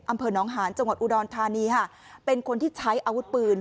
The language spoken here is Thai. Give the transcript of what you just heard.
อำเภอน้องหานจังหวัดอุดรธานีค่ะเป็นคนที่ใช้อาวุธปืน